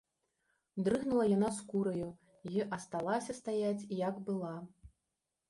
Дрыгнула яна скураю й асталася стаяць, як была.